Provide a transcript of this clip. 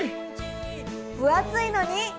ぶ厚いのに！